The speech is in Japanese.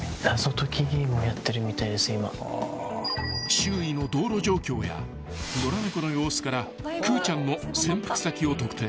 ［周囲の道路状況や野良猫の様子からくーちゃんの潜伏先を特定］